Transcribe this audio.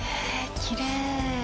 きれい。